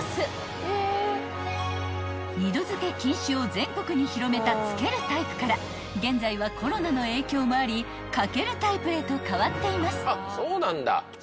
［二度づけ禁止を全国に広めたつけるタイプから現在はコロナの影響もあり掛けるタイプへと変わっています］